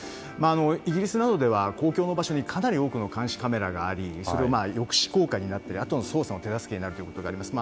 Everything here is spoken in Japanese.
イギリスなどでは公共の場所に多くの監視カメラがありそれが抑止効果になったりあとで捜査の手助けになることもあります。